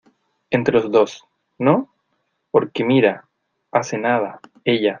entre los dos, ¿ no? por que mira , hace nada , ella...